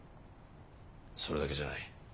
それだけじゃない。